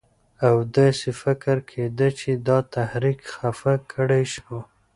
او داسې فکر کېده چې دا تحریک خفه کړی شو.